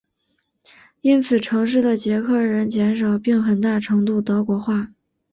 因此城市的捷克人减少并很大程度德国化。